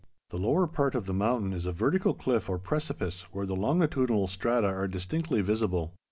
The lower part of the mountain is a vertical cliff or precipice where the longitudinal strata are distinctly visible.